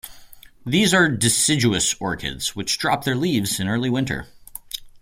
These are deciduous orchids, which drop their leaves in early winter.